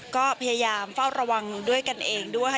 ก็พยายามเฝ้าระวังด้วยกันเองด้วยค่ะ